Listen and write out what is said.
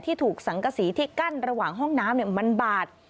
ถูกสังกษีที่กั้นระหว่างห้องน้ำมันบาด